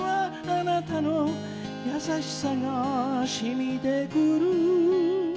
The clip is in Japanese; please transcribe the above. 「あなたの優しさが浸みて来る」